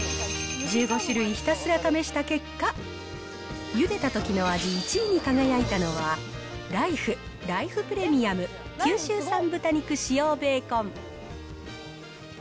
１５種類ひたすら試した結果、ゆでたときの味１位に輝いたのは、ライフ・ライフプレミアム、九州産豚肉使用ベーコン。